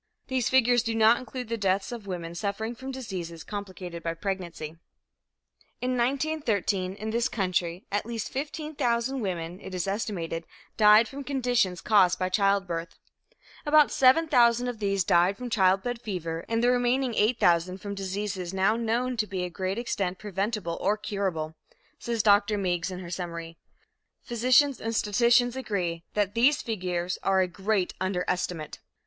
These figures do not include the deaths of women suffering from diseases complicated by pregnancy. "In 1913, in this country at least 15,000 women, it is estimated, died from conditions caused by childbirth; about 7,000 of these died from childbed fever and the remaining 8,000 from diseases now known to be to a great extent preventable or curable," says Dr. Meigs in her summary, "Physicians and statisticians agree that these figures are a great underestimate."